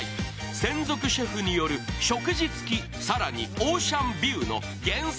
専属シェフによる食事付き、更にオーシャンビューの源泉